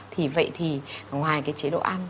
thì vậy thì ngoài cái chế độ ăn